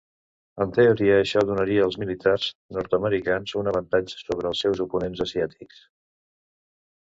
En teoria, això donaria als militars nord-americans un avantatge sobre els seus oponents asiàtics.